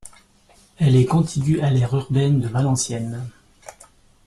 Elle est contiguë à l'aire urbaine de Valenciennes.